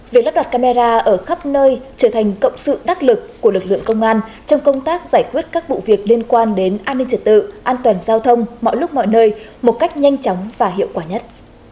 việc lắp đặt camera ở khắp nơi trở thành cộng sự đắc lực của lực lượng công an trong công tác giải quyết các vụ việc liên quan đến an ninh trật tự an toàn giao thông mọi lúc mọi nơi một cách nhanh chóng và hiệu quả nhất